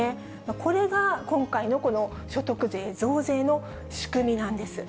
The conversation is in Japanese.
これが今回のこの所得税増税の仕組みなんです。